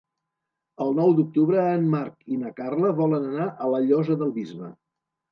El nou d'octubre en Marc i na Carla volen anar a la Llosa del Bisbe.